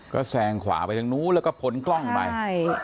ก็แซงขวาไปทางนู้นแล้วก็พ้นกล้องไปใช่